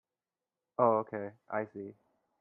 Oh okay, I see.